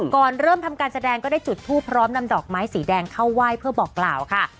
ก่อนเริ่มทำการแสดงก็ได้จุดทูปพร้อมนำดอกไม้สีแดงเข้าไหว้เพื่อบอกกล่าวค่ะ